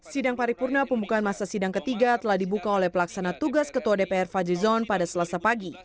sidang paripurna pembukaan masa sidang ketiga telah dibuka oleh pelaksana tugas ketua dpr fadlizon pada selasa pagi